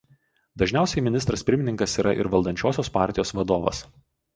Dažniausiai ministras pirmininkas yra ir valdančiosios partijos vadovas.